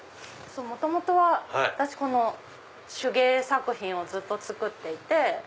元々は私手芸作品をずっと作っていて。